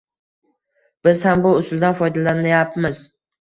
Biz ham bu usuldan foydalanyapmiz.